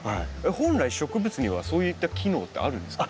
本来植物にはそういった機能ってあるんですか？